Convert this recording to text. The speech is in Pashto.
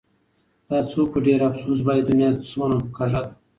دا څوک په ډېر افسوس وايي : دنيا څونه کږه ده